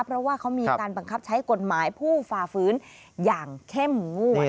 เพราะว่าเขามีการบังคับใช้กฎหมายผู้ฝ่าฝืนอย่างเข้มงวด